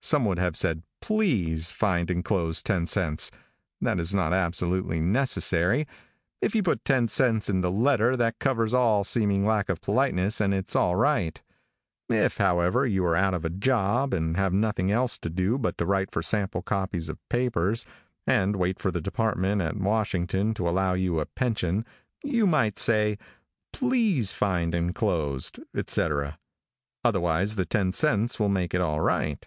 "_ Some would have said "please" find inclosed ten cents. That is not absolutely necessary. If you put ten cents in the letter that covers all seeming lack of politeness and it's all right. If, however, you are out of a job, and have nothing else to do but to write for sample copies of papers, and wait for the department at Washington to allow you a pension, you might say, "Please find inclosed," etc., otherwise the ten cents will make it all right.